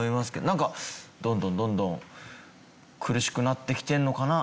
なんかどんどんどんどん苦しくなってきてるのかな？